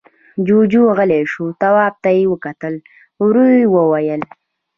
جُوجُو غلی شو، تواب ته يې وکتل، ورو يې وويل: